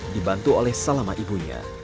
dibantu oleh salama ibunya